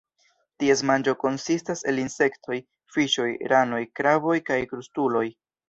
Ties manĝo konsistas el insektoj, fiŝoj, ranoj, kraboj kaj krustuloj.